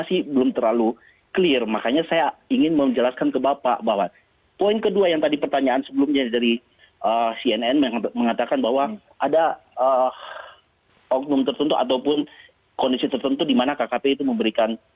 itu yang menjadi pertanyaan besar